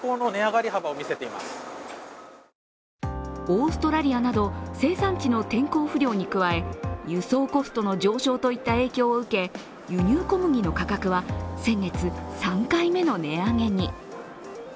オーストラリアなど生産地の天候不良に加え、輸送コストの上昇といった影響を受け輸入小麦の価格は先月３回目の値上げに。